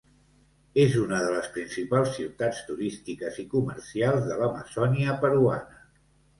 És una de les principals ciutats turístiques i comercials de l’Amazònia peruana.